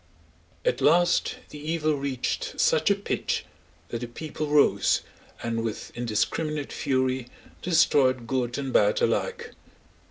At last the evil reached such a pitch that the people rose, and with indiscriminate fury destroyed good and bad alike.